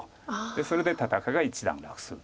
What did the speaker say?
それで戦いが一段落すると。